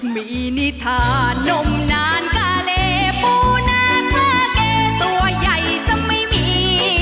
มีนิทานมนานกาเลปูนาคาเกตัวใหญ่ซะไม่มี